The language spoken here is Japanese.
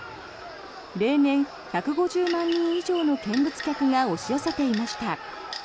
例年１５０万人以上の見物客が押し寄せていました。